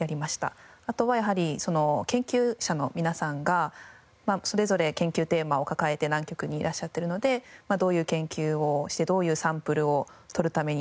あとはやはり研究者の皆さんがそれぞれ研究テーマを抱えて南極にいらっしゃってるのでどういう研究をしてどういうサンプルを取るために。